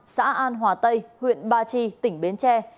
xã an hòa tây huyện ba chi tỉnh bến tre